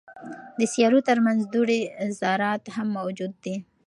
د سیارو ترمنځ دوړې ذرات هم موجود دي.